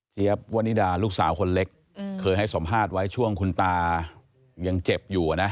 วันนิดาลูกสาวคนเล็กเคยให้สัมภาษณ์ไว้ช่วงคุณตายังเจ็บอยู่นะ